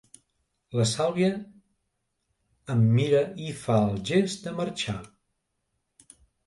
La Sàlvia em mira i fa el gest de marxar.